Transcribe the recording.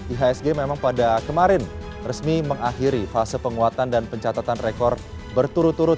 ihsg memang pada kemarin resmi mengakhiri fase penguatan dan pencatatan rekor berturut turut